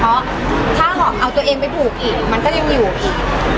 เพราะถ้าหอมเอาตัวเองไปผูกอีกมันก็ยังอยู่อีก